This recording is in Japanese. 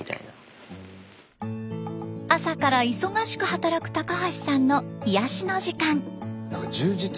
朝から忙しく働く高橋さんの癒やしの時間。